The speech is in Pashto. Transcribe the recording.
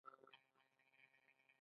دښمن په منځ کې تېر کړو.